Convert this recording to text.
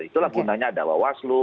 itulah gunanya ada waslu